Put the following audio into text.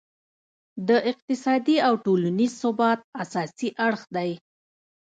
د اقتصادي او ټولینز ثبات اساسي اړخ دی.